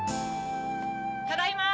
ただいま。